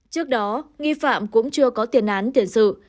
trước đó nghi phạm cũng chưa có tiền án tiền sự